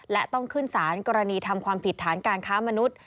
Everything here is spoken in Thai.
และต้องขึ้นสารกรณีทำความผิดฐานการค้ามนุษย์